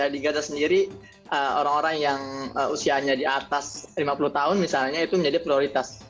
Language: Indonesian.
di gaza sendiri orang orang yang usianya di atas lima puluh tahun misalnya itu menjadi prioritas